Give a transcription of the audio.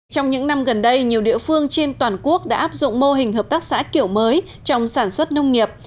trong những năm gần đây nhiều địa phương trên toàn quốc đã áp dụng mô hình hợp tác xã kiểu mới trong sản xuất nông nghiệp